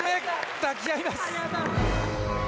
抱き合います。